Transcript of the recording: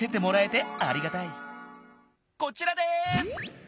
こちらです。